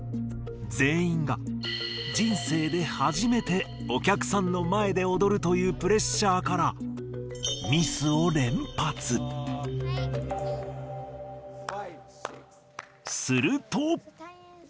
ぜんいんが人生で初めてお客さんの前でおどるというプレッシャーからすると。